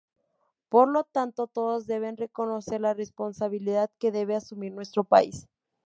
Por lo tanto, todos deben reconocer la responsabilidad que debe asumir nuestro país".